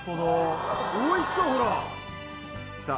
おいしそうほら！